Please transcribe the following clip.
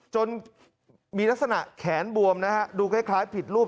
จนมีลักษณะแขนบวมนะฮะดูคล้ายผิดรูป